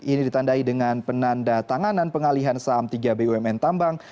ini ditandai dengan penanda tanganan pengalihan saham tiga bumn tambang